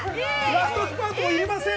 ラストスパートもいりません。